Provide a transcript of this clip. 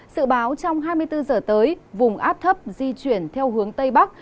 sự báo trong hai mươi bốn giờ tới vùng áp thấp di chuyển theo hướng tây bắc